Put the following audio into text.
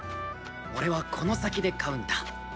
俺はこの先で買うんだ。